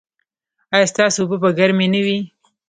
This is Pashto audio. ایا ستاسو اوبه به ګرمې نه وي؟